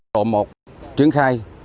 độ một triển khai